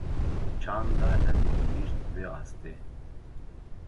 çanda nedigîhîşt vê astê.